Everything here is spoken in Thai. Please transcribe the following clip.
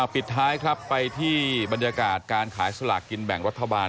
ปิดท้ายครับไปที่บรรยากาศการขายสลากกินแบ่งรัฐบาล